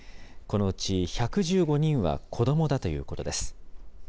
このうち１１５人は子どもだということです。